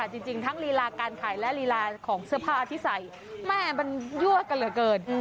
จริงทั้งลีลาการขายและลีลาของเสื้อผ้าที่ใส่แม่มันยั่วกันเหลือเกิน